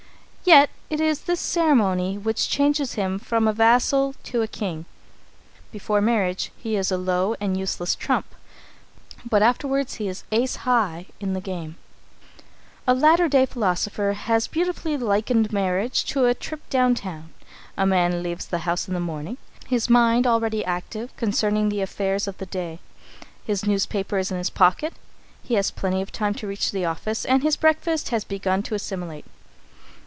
Yet it is this ceremony which changes him from a vassal to a king. Before marriage he is a low and useless trump, but afterward he is ace high in the game. [Sidenote: A Trip Down Town] A latter day philosopher has beautifully likened marriage to a trip down town. A man leaves the house in the morning, his mind already active concerning the affairs of the day. His newspaper is in his pocket, he has plenty of time to reach the office, and his breakfast has begun to assimilate.